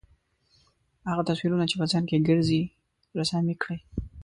هغه تصویرونه چې په ذهن کې ګرځي رسامي کړئ.